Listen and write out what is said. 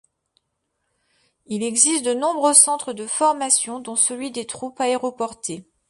Il existe de nombreux centres de formation dont celui des troupes aéroportées.